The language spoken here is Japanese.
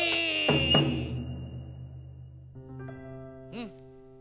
うん。